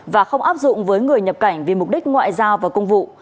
và không áp dụng với người nhập cảnh vì mục đích ngoại giao và công vụ